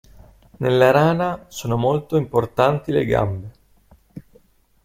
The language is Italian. Nella rana sono molto importanti le gambe.